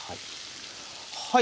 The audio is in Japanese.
はい。